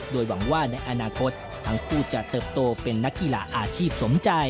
โดยหวังว่าในอนาคตทั้งคู่จะเติบโตเป็นนักกีฬาอาชีพสมใจ